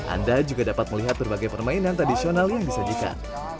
anda juga dapat melihat berbagai permainan tradisional yang disajikan